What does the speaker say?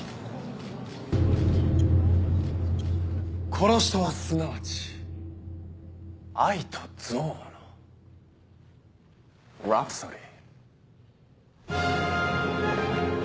殺しとはすなわち愛と憎悪のラプソディー。